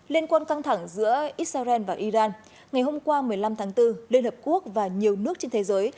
liên quan căng thẳng giữa israel và iran ngày hôm qua một mươi năm tháng bốn liên hợp quốc và nhiều nước trên thế giới